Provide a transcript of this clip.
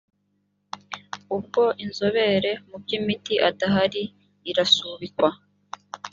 ubwo inzobere mu by’imiti adahari irasubikwa